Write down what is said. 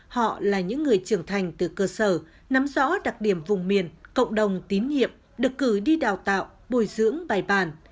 họ là những người trưởng thành từ cơ sở nắm rõ đặc điểm vùng miền cộng đồng tín nhiệm được cử đi đào tạo bồi dưỡng bài bàn